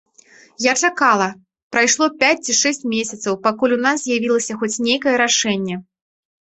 Я чакала, прайшло пяць ці шэсць месяцаў, пакуль у нас з'явілася хоць нейкае рашэнне.